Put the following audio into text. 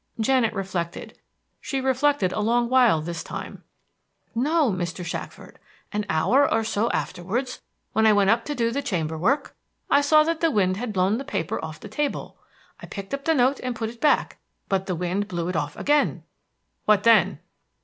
Janet reflected. She reflected a long while this time. "No, Mr. Shackford: an hour or so afterwards, when I went up to do the chamber work, I saw that the wind had blow the paper off of the table. I picked up the note and put it back; but the wind blew it off again." "What then?"